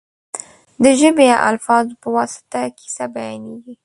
د ژبې یا الفاظو په واسطه کیسه بیانېږي.